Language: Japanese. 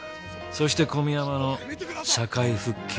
そして小宮山の社会復帰を妨害した。